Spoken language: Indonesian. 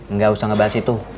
ngga usah ngebahas itu